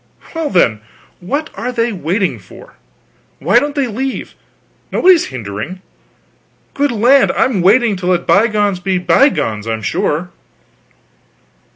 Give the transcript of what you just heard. "Well, then, what are they waiting for? Why don't they leave? Nobody's hindering. Good land, I'm willing to let bygones be bygones, I'm sure."